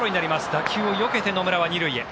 打球をよけて野村は２塁へ。